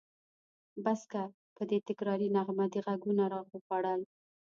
بس که! په دې تکراري نغمه دې غوږونه راوخوړل.